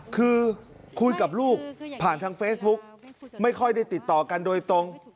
คือคุยกับลูกผ่านทางเฟซบุ๊กไม่ค่อยได้ติดต่อกันโดยตรง